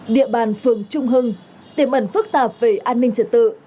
địa bàn phường trung hưng tiềm ẩn phức tạp về an ninh trật tự